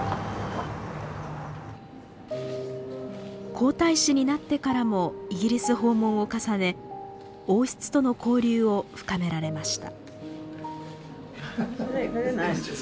皇太子になってからもイギリス訪問を重ね王室との交流を深められました。